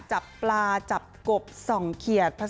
จับปลาจับกบส่องเขียดผสม